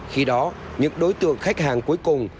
khi đó những đối tượng khách hàng cuối cùng